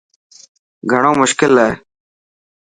گھڻو مشڪل هي.